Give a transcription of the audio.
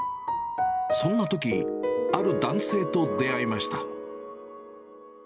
そんなとき、ある男性と出会いました。